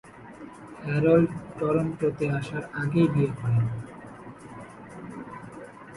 Harold টরন্টোতে আসার আগেই বিয়ে করেন।